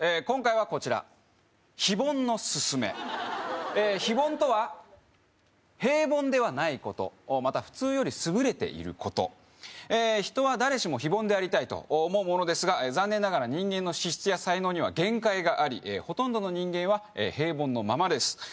今回はこちら非凡のすすめ非凡とは平凡ではないことまた普通より優れていること人は誰しも非凡でありたいと思うものですが残念ながら人間の資質や才能には限界がありほとんどの人間は平凡のままです